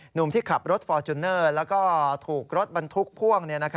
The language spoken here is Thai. หนุ่มที่ขับรถฟอร์จูเนอร์แล้วก็ถูกรถบรรทุกพ่วง